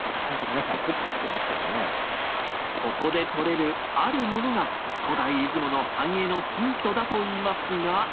ここでとれるあるものが古代出雲の繁栄のヒントだといいますが。